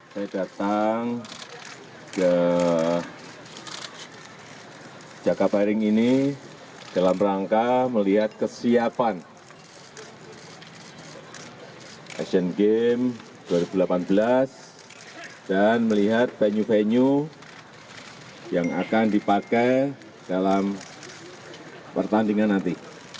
saya datang ke jakabaring ini dalam rangka melihat kesiapan asian games dua ribu delapan belas dan melihat venue venue yang akan dipakai dalam pertandingan nanti